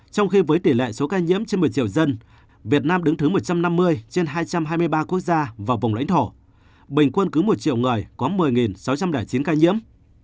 trong khi với tỷ lệ số ca nhiễm trên một mươi triệu dân việt nam đứng thứ một trăm năm mươi trên hai trăm hai mươi ba quốc gia và vùng lãnh thổ bình quân cứ một triệu người có một mươi sáu trăm linh chín ca nhiễm